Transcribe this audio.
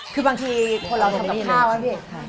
คือบางทีคนเราทำกับข้าวนะพี่